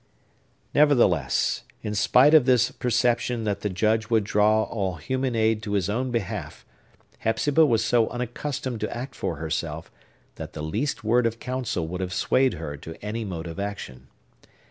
Nevertheless, in spite of this perception that the Judge would draw all human aid to his own behalf, Hepzibah was so unaccustomed to act for herself, that the least word of counsel would have swayed her to any mode of action.